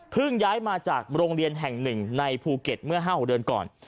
ย้ายมาจากโรงเรียนแห่งหนึ่งในภูเก็ตเมื่อ๕๖เดือนก่อน